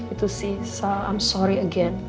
itu sih so i'm sorry again